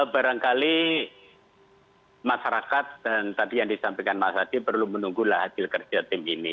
barangkali masyarakat dan tadi yang disampaikan mas hadi perlu menunggulah hasil kerja tim ini